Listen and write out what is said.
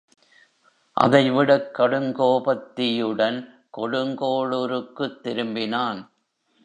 அதைவிடக் கடுங்கோபத்தீயுடன் கொடுங்கோளுருக்குத் திரும்பினான்.